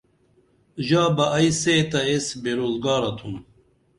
ژا بہ ائی سے تہ ایس بے روزگارہ تُھم